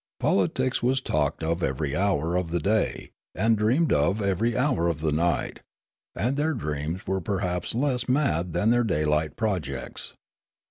Politics was talked of every hour of the daj' and dreamed of every hour of the night ; and their dreams 2o6 Riallaro were perhaps less mad than their daylight projects.